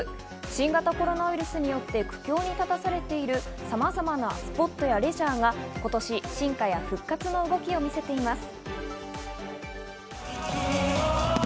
新型コロナウイルスによって苦境に立たされているさまざまなスポットやレジャーが今年、進化や復活の動きを見せています。